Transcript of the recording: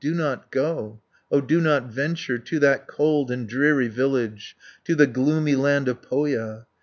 "Do not go, O do not venture To that cold and dreary village, 190 To the gloomy land of Pohja.